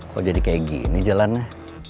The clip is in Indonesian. kok jadi kayak gini jalannya